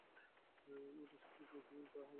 ওদের সাথে কী করা হবে?